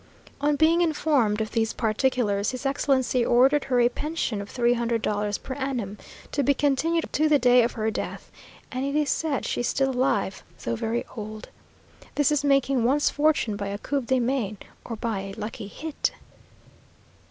On being informed of these particulars, his Excellency ordered her a pension of three hundred dollars per annum, to be continued to the day of her death, and it is said she is still alive, though very old. This is making one's fortune by a coup de main, or by a lucky hit!